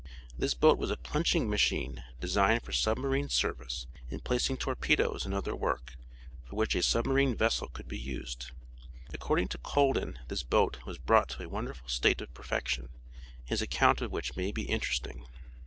This boat was a plunging machine designed for sub marine service in placing torpedoes and other work, for which a sub marine vessel could be used. According to Colden this boat was brought to a wonderful state of perfection, his account of which may be interesting.